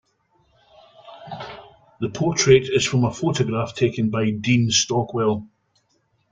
The portrait is from a photograph taken by Dean Stockwell.